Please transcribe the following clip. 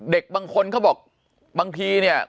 เด็กบางคนเขาบอกบางทีเนี่ย